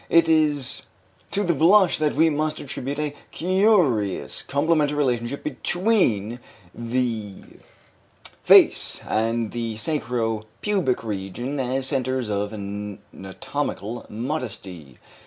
It is to the blush that we must attribute a curious complementary relationship between the face and the sacro pubic region as centres of anatomical modesty.